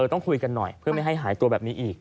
ต้องคุยกันหน่อยเพื่อไม่ให้หายตัวแบบนี้อีก